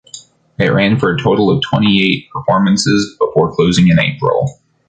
It ran for a total of twenty eight performances before closing in April.